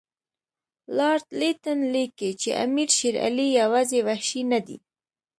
لارډ لیټن لیکي چې امیر شېر علي یوازې وحشي نه دی.